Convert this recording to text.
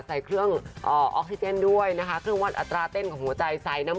ใส่เครื่องออกซิเจนด้วยนะคะ